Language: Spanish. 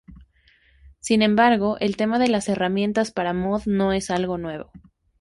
Sin embargo, el tema de las herramientas para mod no es algo nuevo.